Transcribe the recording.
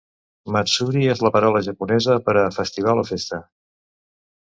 Matsuri és la paraula japonesa per a festival o festa.